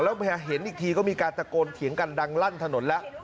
แล้วเห็นอีกทีก็มีการตะโกนเถียงกันดังลั่นถนนแล้ว